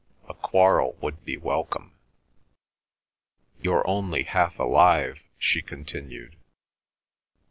A quarrel would be welcome. "You're only half alive," she continued.